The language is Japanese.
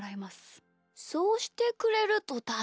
そうしてくれるとたすかる。